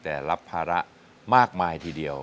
แต่รับภาระมากมายทีเดียว